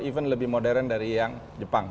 even lebih modern dari yang jepang